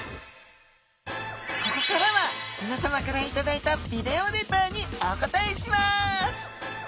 ここからはみなさまから頂いたビデオレターにお答えします